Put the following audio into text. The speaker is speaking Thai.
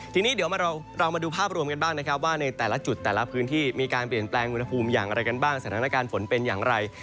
ทีนี้เดี๋ยวเรามาดูภาพรวมกันบ้างนะครับว่าในแต่ละจุดแต่ละพื้นที่มีการเปลี่ยนแปลงอุณหภูมิอย่างไรกันบ้างสถานการณ์ฝนเป็นอย่างไร